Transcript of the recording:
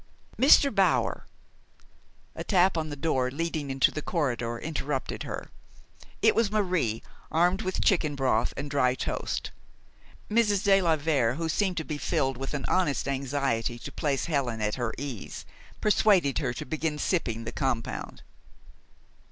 Mr. Bower " A tap on the door leading into the corridor interrupted her. It was Marie, armed with chicken broth and dry toast. Mrs. de la Vere, who seemed to be filled with an honest anxiety to place Helen at her ease, persuaded her to begin sipping the compound.